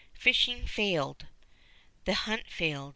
Fishing failed. The hunt failed.